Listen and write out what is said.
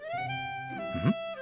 うん？